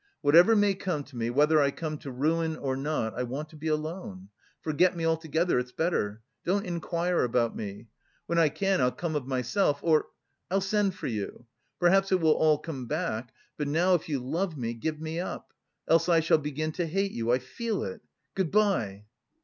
Whatever may come to me, whether I come to ruin or not, I want to be alone. Forget me altogether, it's better. Don't inquire about me. When I can, I'll come of myself or... I'll send for you. Perhaps it will all come back, but now if you love me, give me up... else I shall begin to hate you, I feel it.... Good bye!"